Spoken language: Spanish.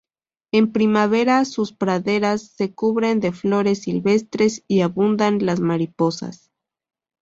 En primavera, sus praderas se cubren de flores silvestres y abundan las mariposas.